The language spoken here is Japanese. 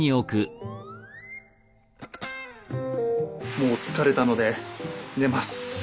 もう疲れたので寝ます。